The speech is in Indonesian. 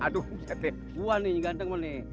gue nih ganteng mah nih